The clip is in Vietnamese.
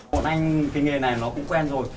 một anh cái nghề này nó cũng quen rồi